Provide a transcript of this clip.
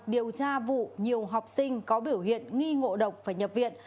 điều tra vụ nhiều học sinh có biểu hiện nghi ngộ độc phải nhập viện